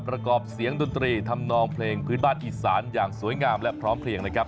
ประกอบเสียงดนตรีทำนองเพลงพื้นบ้านอีสานอย่างสวยงามและพร้อมเพลียงนะครับ